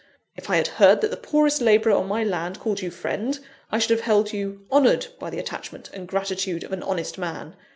'_ If I had heard that the poorest labourer on my land called you 'friend,' I should have held you honoured by the attachment and gratitude of an honest man.